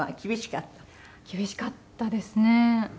厳しかったですね。